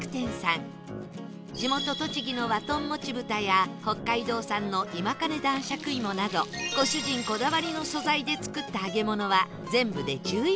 地元栃木の和豚もちぶたや北海道産の今金男しゃく芋などご主人こだわりの素材で作った揚げ物は全部で１１種類